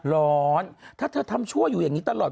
ร้อนถ้าเธอทำชั่วอยู่อย่างนี้ตลอด